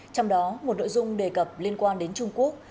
trong đó một nội dung đề cập liên quan đến trung quốc